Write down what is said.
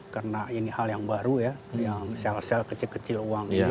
karena ini hal yang baru ya yang sel sel kecil kecil uang ini